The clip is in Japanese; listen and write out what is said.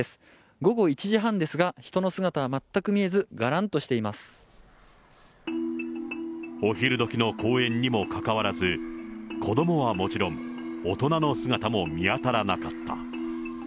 午後１時半ですが、人の姿は全く見えず、がらんとしています。お昼どきの公園にもかかわらず、子どもはもちろん、大人の姿も見当たらなかった。